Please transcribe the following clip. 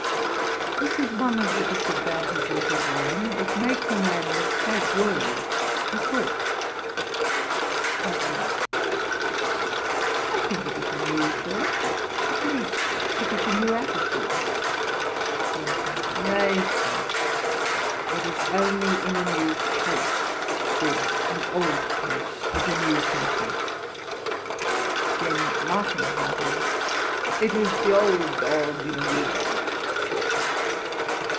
This is one of the disadvantages of wine. It makes a man mistake words for thoughts.' BOSWELL. 'I think it is a new thought; at least, it is in a new attitude.' JOHNSON. 'Nay, Sir, it is only in a new coat; or an old coat with a new facing. (Then laughing heartily) It is the old dog in a new doublet.